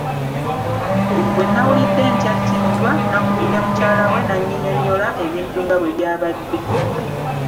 Bwenawulidde nti attiddwa nakubidde mukyala we n’anyinnyonnyola ebintu nga bwe byabadde.